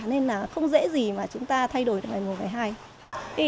nên là không dễ gì mà chúng ta thay đổi được là một ngày hai